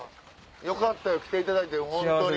よかった来ていただいて本当に。